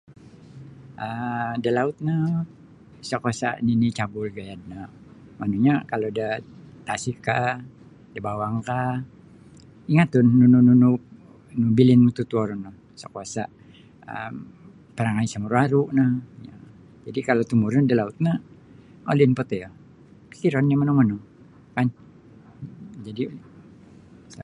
um da laut no isa' kuasa' nini' cabul gayad no monongnyo kalau da tasikkah da bawangkah ingatun nunu-nunu bilin mututuo rono isa' kuasa' um parangai isa' maru'-aru' no jadi' kalau tumurun da laut no olin potoi iyo tapsiron oni' monong-monong kan jadi' sa'